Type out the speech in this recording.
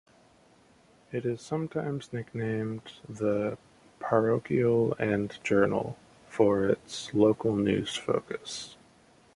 It is sometimes nicknamed the "Parochial and Journal" for its local news focus.